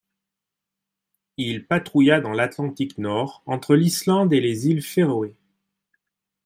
Il patrouilla dans l'Atlantique Nord, entre l'Islande et les Îles Féroé.